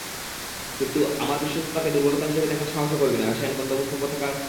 কিন্তু, আমার বিশ্বস্ততাকে দুর্বলতা হিসেবে দেখার সাহসও করবি না রাশিয়ান গন্ডমূর্খ কোথাকার!